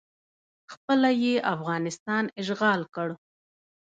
خپله یې افغانستان اشغال کړ